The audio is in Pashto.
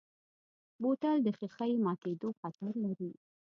بوتل د ښیښې ماتیدو خطر لري.